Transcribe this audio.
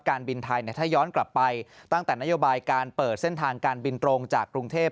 การบินไทยถ้าย้อนกลับไปตั้งแต่นโยบายการเปิดเส้นทางการบินตรงจากกรุงเทพ